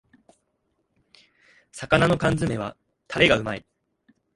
魚の缶詰めはタレがうまい